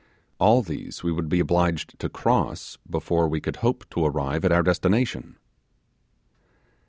All these we would be obliged to cross before we could hope to arrive at our destination.